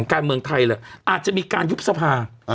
ของการเมืองไทยแล้วอาจจะมีการยุบสะพาอ่า